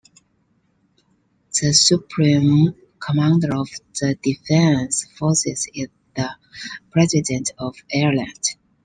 The Supreme Commander of the Defence Forces is the President of Ireland.